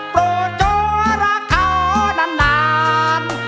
โปรดโจรักเขานาน